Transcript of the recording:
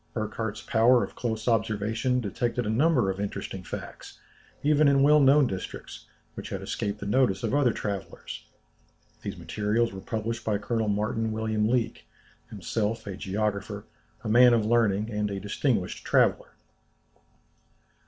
Burckhardt's power of close observation detected a number of interesting facts, even in well known districts, which had escaped the notice of other travellers. These materials were published by Colonel Martin William Leake, himself a geographer, a man of learning, and a distinguished traveller."